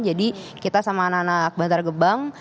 jadi kita sama anak anak bantar gebang